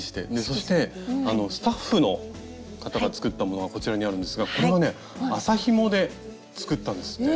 そしてスタッフの方が作ったものがこちらにあるんですがこれはね麻ひもで作ったんですって。